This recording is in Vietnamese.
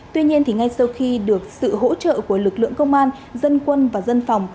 tuy nhiên ngay sau khi được sự hỗ trợ của lực lượng công an dân quân và dân phòng